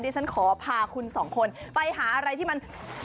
ฉันขอพาคุณสองคนไปหาอะไรที่มัน